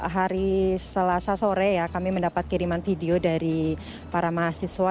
hari selasa sore ya kami mendapat kiriman video dari para mahasiswa